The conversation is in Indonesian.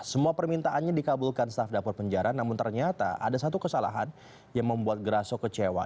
semua permintaannya dikabulkan staf dapur penjara namun ternyata ada satu kesalahan yang membuat grasso kecewa